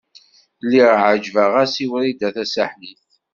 Lliɣ ɛejbeɣ-as i Wrida Tasaḥlit.